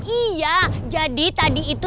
iya jadi tadi itu